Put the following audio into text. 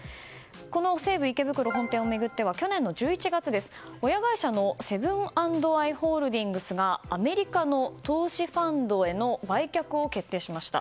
この西武池袋本店を巡っては去年の１１月親会社のセブン＆アイ・ホールディングスがアメリカの投資ファンドへの売却を決定しました。